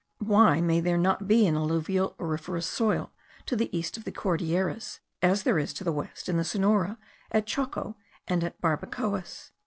Why may there not be an alluvial auriferous soil to the east of the Cordilleras, as there is to the west, in the Sonoro, at Choco, and at Barbacoas?